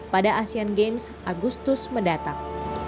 pada asean games agustus mendatang